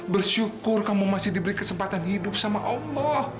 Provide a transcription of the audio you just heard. bersyukur kamu masih diberi kesempatan hidup sama allah